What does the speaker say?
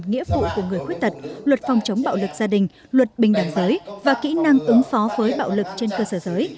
nghĩa vụ của người khuyết tật luật phòng chống bạo lực gia đình luật bình đẳng giới và kỹ năng ứng phó với bạo lực trên cơ sở giới